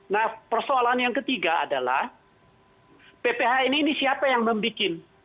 nah persoalan yang ketiga adalah pphn ini siapa yang membuat